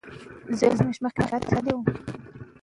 هغه وايي المونیم لرونکي مواد د شپې کارول ښه دي.